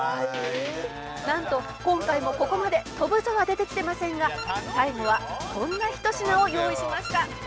「なんと今回もここまで“飛ぶぞ”は出てきてませんが最後はこんなひと品を用意しました」